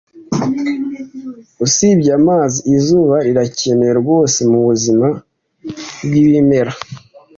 Usibye amazi, izuba rirakenewe rwose mubuzima bwibimera.